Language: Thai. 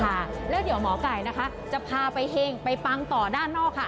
ค่ะแล้วเดี๋ยวหมอไก่นะคะจะพาไปเฮงไปฟังต่อด้านนอกค่ะ